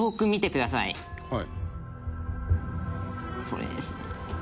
これですね。